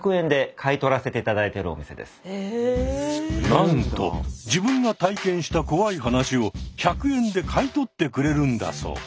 なんと自分が体験した怖い話を１００円で買い取ってくれるんだそう。